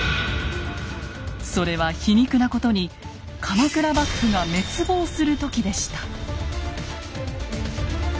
それは皮肉なことに鎌倉幕府が滅亡する時でした。